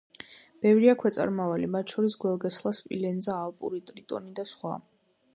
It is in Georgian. ბევრია ქვეწარმავალი, მათ შორის გველგესლა, სპილენძა, ალპური ტრიტონი და სხვა.